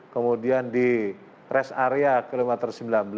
kemudian di rest area kilometer sembilan belas